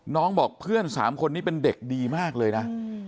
น้องบอกเพื่อน๓คนนี้เป็นเด็กดีมากเลยนะ